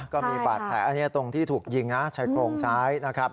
ก็มีบาดแผลอันนี้ตรงที่ถูกยิงนะชายโครงซ้ายนะครับ